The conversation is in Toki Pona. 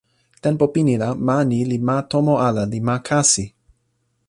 tenpo pini la ma ni li ma tomo ala li ma kasi.